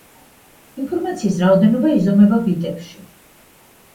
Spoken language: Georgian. ინფორმაციის რაოდენობა იზომება ბიტებში.